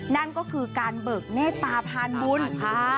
นั่นก็คือการเบิกเมตตาพานบุญค่ะ